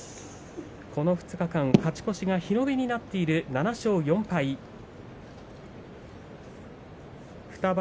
この２日間勝ち越しが日延べになって７勝４敗の成績です。